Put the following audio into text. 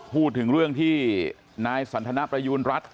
พูดถึงเรื่องที่นายสันทนประยูณรัฐ